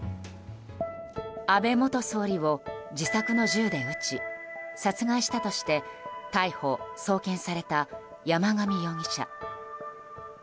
安倍元総理を自作の銃で撃ち殺害したとして逮捕・送検された山上容疑者。